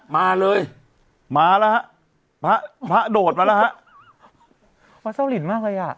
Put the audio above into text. มาแล้วฮะพระพระโดดมาแล้วฮะวันเยาหลีนมากเลยอ่ะ